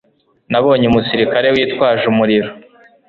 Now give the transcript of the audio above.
Nabonye umusirikare witwaje umuriro.